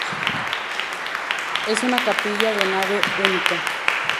Es una capilla de nave única.